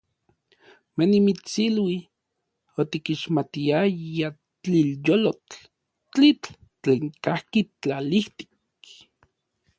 Manimitsilui, otikixmatiayaj tlilyolotl, tlitl tlen kajki tlalijtik.